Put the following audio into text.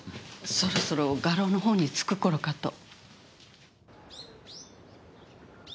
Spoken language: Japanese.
そろそろ画廊のほうに着く頃かと。